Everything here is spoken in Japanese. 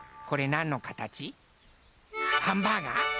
これなんのかたち？ハンバーガー？